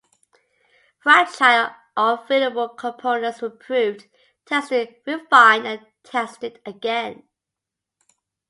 Fragile or vulnerable components were improved, tested, refined, and tested again.